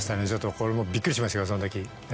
これもびっくりしましたけどそんとき。